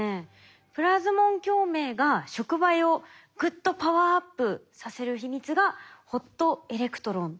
プラズモン共鳴が触媒をぐっとパワーアップさせる秘密がホットエレクトロンということですか？